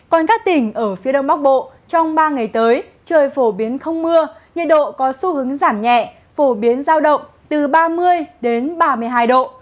còn các tỉnh ở phía đông bắc bộ trong ba ngày tới trời phổ biến không mưa nhiệt độ có xu hướng giảm nhẹ phổ biến giao động từ ba mươi đến ba mươi hai độ